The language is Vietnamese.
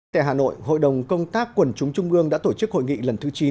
tại hà nội hội đồng công tác quần chúng trung ương đã tổ chức hội nghị lần thứ chín